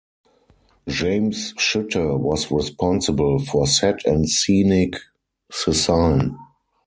James Schuette was responsible for set and scenic sesign.